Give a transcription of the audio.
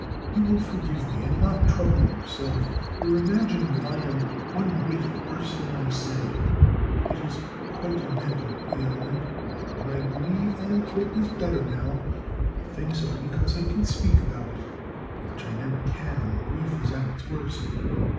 You will forgive me and not trouble yourself, or imagine that I am one whit worse than I say. It is quite a mental ailment, and I believe and hope is better now. I think so, because I can speak about it, which I never can when grief is at its worst.